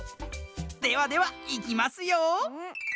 ではではいきますよ。